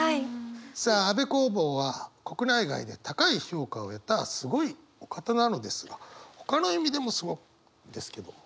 さあ安部公房は国内外で高い評価を得たすごいお方なのですがほかの意味でもすごいんですけどお。